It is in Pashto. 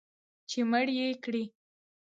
چې مړ یې کړي